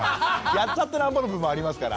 やっちゃってなんぼの部分もありますから。